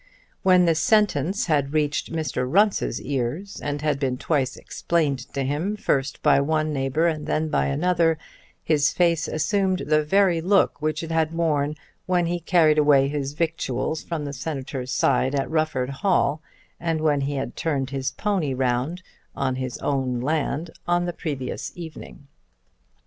When the sentence had reached Mr. Runce's ears, and had been twice explained to him, first by one neighbour and then by another, his face assumed the very look which it had worn when he carried away his victuals from the Senator's side at Rufford Hall, and when he had turned his pony round on his own land on the previous evening.